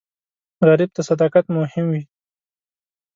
غریب ته صداقت مهم وي